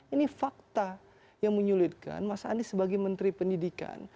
ini fakta yang menyulitkan mas anies sebagai menteri pendidikan